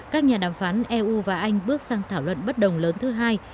các nhà đàm phán eu và anh bước sang thảo luận bất đồng lớn thứ hai